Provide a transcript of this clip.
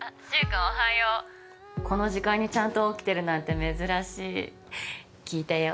おはようこの時間にちゃんと起きてるなんて珍しい聞いたよ